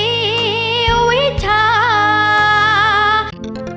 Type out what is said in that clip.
สวัสดีครับ